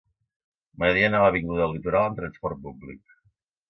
M'agradaria anar a l'avinguda del Litoral amb trasport públic.